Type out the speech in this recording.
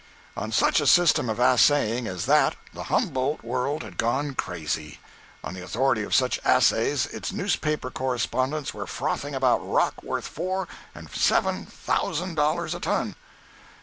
On such a system of assaying as that, the Humboldt world had gone crazy. On the authority of such assays its newspaper correspondents were frothing about rock worth four and seven thousand dollars a ton!